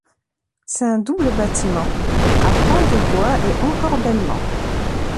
C'est un double bâtiment à pan de bois et encorbellement.